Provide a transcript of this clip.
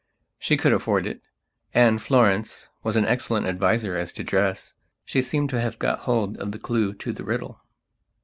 She could afford it, and Florence was an excellent adviser as to dress. She seemed to have got hold of the clue to the riddle.